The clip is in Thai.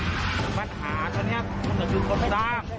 บันหาตัวเนี่ยมันจะชื้นคนตาม